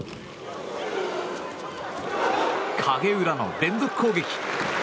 影浦の連続攻撃。